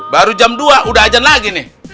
baru jam dua udah ajan lagi nih